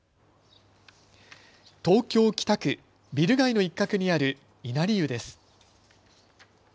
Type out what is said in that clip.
東京北区、ビル街の一角にある稲荷湯です。